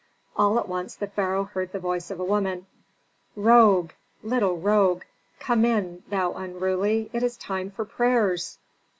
All at once the pharaoh heard the voice of a woman, "Rogue! Little rogue! come in, thou unruly, it is time for prayers."